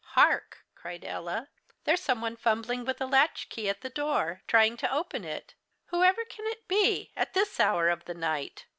"Hark," cried Ella. "There's some one fumbling with a latchkey at the door, trying to open it. Whoever can it be at this hour of the night?